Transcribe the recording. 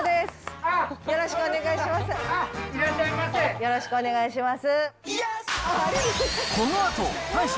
よろしくお願いします。